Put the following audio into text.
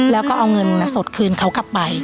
แล้วก็เอาเงินสดคืนเขากลับไป